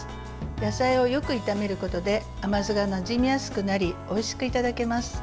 野菜をよく炒めることで甘酢がなじみやすくなりおいしくいただけます。